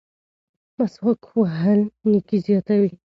مسواک وهل نیکي زیاتوي.